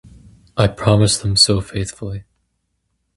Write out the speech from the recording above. I promised them so faithfully!